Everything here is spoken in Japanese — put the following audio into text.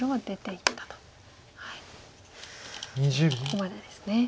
ここまでですね。